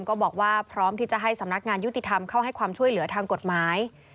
ก็บอกว่าพร้อมที่จะให้สำนักงานยุติธรรมเข้าให้ความช่วยเหลือทางกฎหมาย